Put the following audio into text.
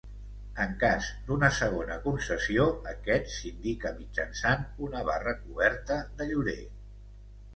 En cas d'una segona concessió, aquest s'indica mitjançant una barra coberta de llorer.